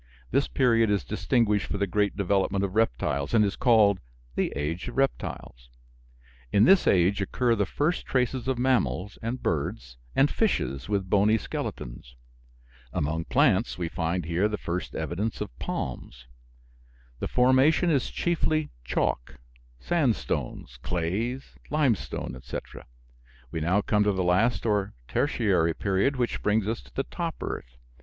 This period is distinguished for the great development of reptiles, and is called the "age of reptiles." In this age occur the first traces of mammals, and birds, and fishes with bony skeletons. Among plants we find here the first evidence of palms. The formation is chiefly chalk, sandstones, clays, limestone, etc. We now come to the last or "Tertiary" period, which brings us to the top earth.